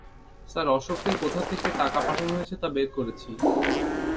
Sir, অশোককে কোথা থেকে টাকা পাঠানো হয়েছে তা বের করেছি।